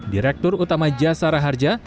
direktur utama jasara harja